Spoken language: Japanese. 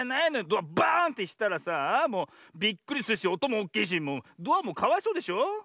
ドアバーンってしたらさあもうびっくりするしおともおっきいしドアもかわいそうでしょ。